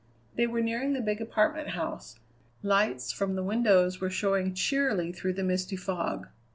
They were nearing the big apartment house; lights from the windows were showing cheerily through the misty fog.